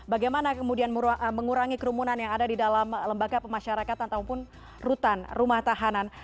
bagaimana kemudian mengurangi kerumunan yang ada di dalam lembaga pemasyarakatan ataupun rutan rumah tahanan